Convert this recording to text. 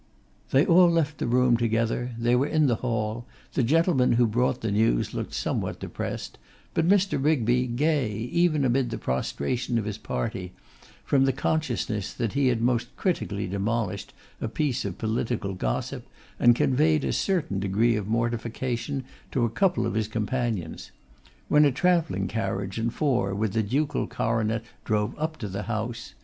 They all left the room together; they were in the hall; the gentlemen who brought the news looked somewhat depressed, but Mr. Rigby gay, even amid the prostration of his party, from the consciousness that he had most critically demolished a piece of political gossip and conveyed a certain degree of mortification to a couple of his companions; when a travelling carriage and four with a ducal coronet drove up to the house.